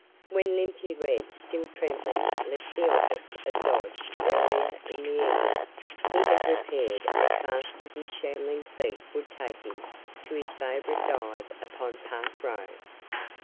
........ When Limpy Red, still trembling, left the office of Dodge earlier in the evening, he had repaired as fast as his shambling feet would take him to his favorite dive upon Park Row.